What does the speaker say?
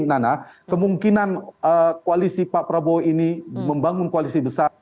karena kemungkinan koalisi pak prabowo ini membangun koalisi besar